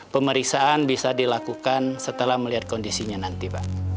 pemeriksaan bisa dilakukan setelah melihat kondisinya nanti pak